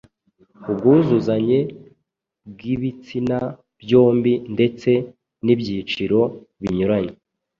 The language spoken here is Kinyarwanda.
ubwuzuzanye bw’ibitsina byombi ndetse n’ibyiciro binyuranye